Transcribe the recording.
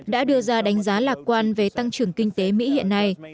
đã đưa ra đánh giá lạc quan về tăng trưởng kinh tế mỹ hiện nay